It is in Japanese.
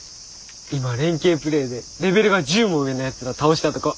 今連携プレーでレベルが１０も上のやつら倒したとこ。